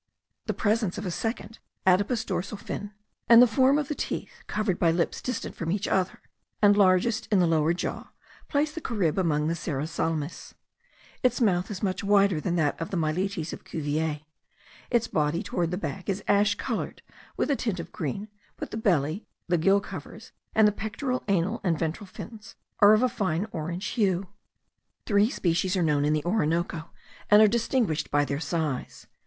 The presence of a second adipous dorsal fin, and the form of the teeth, covered by lips distant from each other, and largest in the lower jaw, place the caribe among the serra salmes. Its mouth is much wider than that of the myletes of Cuvier. Its body, toward the back, is ash coloured with a tint of green, but the belly, the gill covers, and the pectoral, anal, and ventral fins, are of a fine orange hue. Three species are known in the Orinoco, and are distinguished by their size.